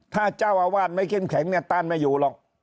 ถ้าเจ้าอาวาสไม่เข้มแข็งเนี่ยต้านไม่อยู่หรอก